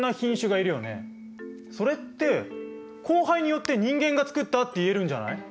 それって交配によって人間が作ったって言えるんじゃない？